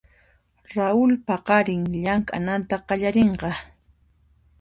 Raul paqarin llamk'ananta qallarinqa.